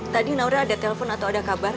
tadi naura ada telpon atau ada kabar